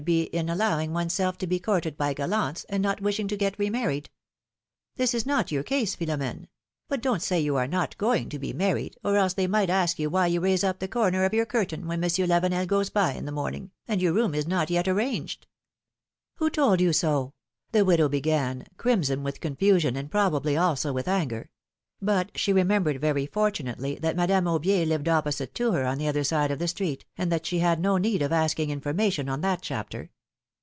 25 be in allowing one's self to be courted by gallants, and not wishing to be remarried; this is not your case, Philomene; but don't say you are not going to be married^ or else they might ask you why you raise up the corner of your curtain when Monsieur Lavenel goes by in the morning, and your room is not yet arranged." ^^Who told you so?" the widow began, crimson with confusion and probably also with anger ; but she remem bered very fortunately that Madame Aubier lived opposite to her on the other side of the street, and that she had no need of asking information on that chapter.